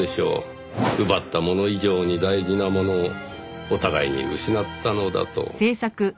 奪ったもの以上に大事なものをお互いに失ったのだと。